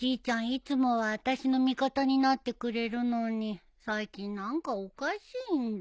いつもはあたしの味方になってくれるのに最近何かおかしいんだ。